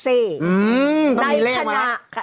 อืมต้องมีเลขมั้ยครับ